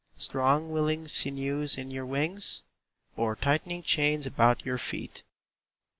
Strong, willing sinews in your wings? Or tightening chains about your feet?